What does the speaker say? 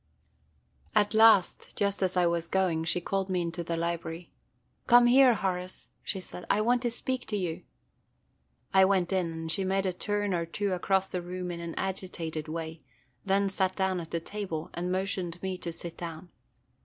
At last, just as I was going, she called me into the library. "Come here, Horace," she said; "I want to speak to you." I went in, and she made a turn or two across the room in an agitated way, then sat down at a table, and motioned me to sit down.